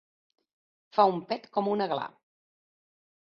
Fa un pet com un aglà.